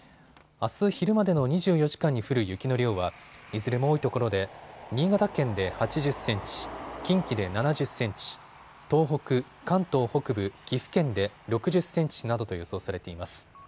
あす昼までの２４時間に降る雪の量はいずれも多いところで新潟県で８０センチ、近畿で７０センチ、東北、関東北部、岐阜県で６０センチなどと予想されています。